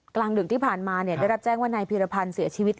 กลางดึกที่ผ่านมาได้รับแจ้งว่านายพีรพันธ์เสียชีวิต